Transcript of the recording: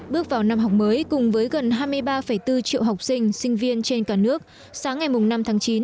bước vào năm học mới cùng với gần hai mươi ba bốn triệu học sinh sinh viên trên cả nước sáng ngày năm tháng chín